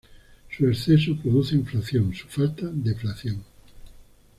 Su exceso produce inflación, su falta, deflación.